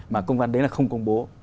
mà công văn đấy là không công bố